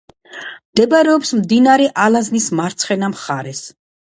მდებარეობს მდინარე ალაზნის მარცხენა მხარეს.